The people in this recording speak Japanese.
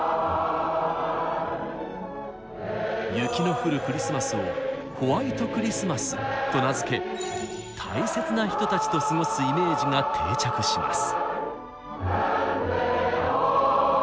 雪の降るクリスマスを「ホワイトクリスマス」と名付け大切な人たちと過ごすイメージが定着します。